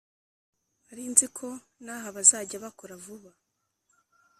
Narinziko naha bazajya bakora vuba